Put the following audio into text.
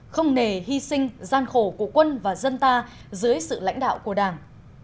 không nề hy sinh gian khổ của quân và dân ta dưới sự lãnh đạo của đảng